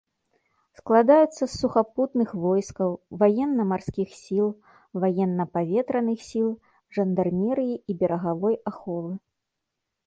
Складаюцца з сухапутных войскаў, ваенна-марскіх сіл, ваенна-паветраных сіл, жандармерыі і берагавой аховы.